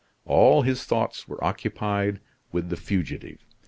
All his thoughts were occupied with the fugitive.